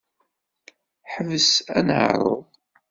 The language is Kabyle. Ḥbes aneɛṛuḍ.